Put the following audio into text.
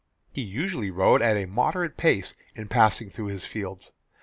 He usually rode at a moderate pace in passing through his fields.